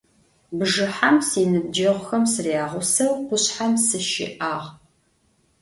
Bjjıhem sinıbceğuxem sıryağuseu khuşshem sışı'ağ.